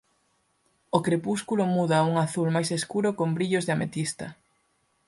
O crepúsculo muda a un azul máis escuro con brillos de ametista.